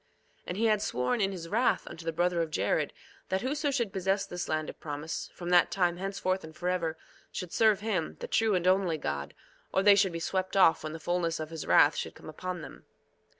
2:8 And he had sworn in his wrath unto the brother of Jared, that whoso should possess this land of promise, from that time henceforth and forever, should serve him, the true and only God, or they should be swept off when the fulness of his wrath should come upon them.